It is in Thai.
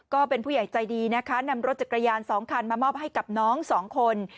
ก็เป็นผู้ใหญ่ใจดีนะคะนำรถจักรยาน๒คันมามอบให้กับน้องสองคน